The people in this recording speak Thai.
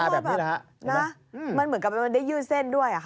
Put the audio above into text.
มันเหมือนกับมันได้ยืดเส้นด้วย